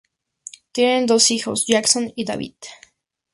Tienen dos hijos, Jason y David.